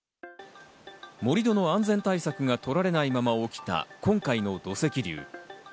盛り土の安全対策が取られないまま起きた今回の土石流。